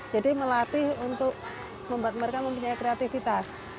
jadi melatih untuk membuat mereka mempunyai kreativitas